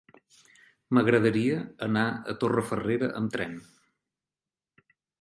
M'agradaria anar a Torrefarrera amb tren.